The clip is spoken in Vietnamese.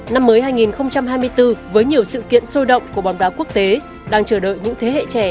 năm mới hai nghìn hai mươi bốn với nhiều sự kiện sôi động của bóng đá quốc tế đang chờ đợi những thế hệ trẻ